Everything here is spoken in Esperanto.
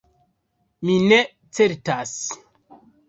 Mi ne certas.